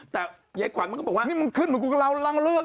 แต่ไอ้ขวัญมันก็บอกว่านี่มันขึ้นเหมือนกับเราร่างเลือด